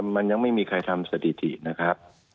มันยังไม่มีใครทำสถิตินะครับ